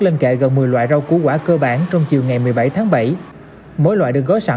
lên kệ gần một mươi loại rau củ quả cơ bản trong chiều ngày một mươi bảy tháng bảy mỗi loại được gói sẵn